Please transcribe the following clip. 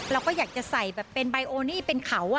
เราก็อยากจะใส่แบบเป็นไบโอนี่เป็นเขา